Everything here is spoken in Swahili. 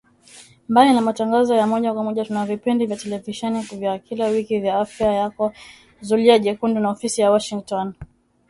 Mbali na matangazo ya moja kwa moja tuna vipindi vya televisheni vya kila wiki vya Afya Yako, Zulia Jekundu na Ofisi ya Washingotn